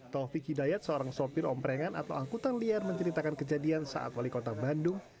taufik hidayat seorang sopir omprengan atau angkutan liar menceritakan kejadian saat wali kota bandung